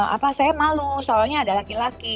apa saya malu soalnya ada laki laki